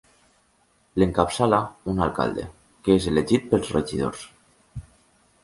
L'encapçala un alcalde, que és elegit pels regidors.